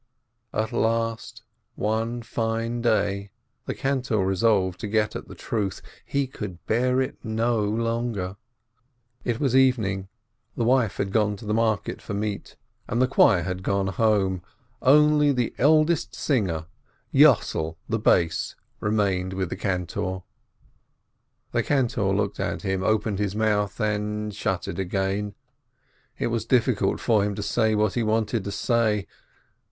At last, one fine day, the cantor resolved to get at the truth: he could bear it no longer. It was evening, the wife had gone to the market for meat, and the choir had gone home, only the eldest singer, Yb'ssel "bass," remained with the cantor. The cantor looked at him, opened his mouth and shut it again; it was difficult for him to say what he wanted to say.